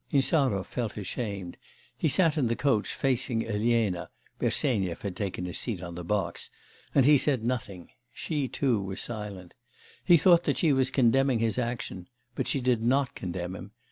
Insarov felt ashamed. He sat in the coach facing Elena (Bersenyev had taken his seat on the box), and he said nothing; she too was silent. He thought that she was condemning his action; but she did not condemn him.